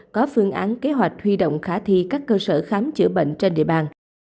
có phương án kế hoạch huy động khả thi các cơ sở khám chữa bệnh trên địa bàn